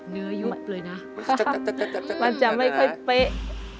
เนื้อยุดเลยนะครับมันจะไม่ค่อยเป๊ะ